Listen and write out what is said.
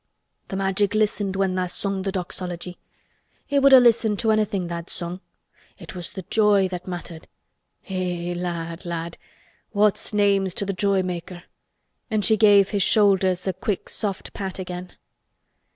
"Th' Magic listened when tha' sung th' Doxology. It would ha' listened to anything tha'd sung. It was th' joy that mattered. Eh! lad, lad—what's names to th' Joy Maker," and she gave his shoulders a quick soft pat again.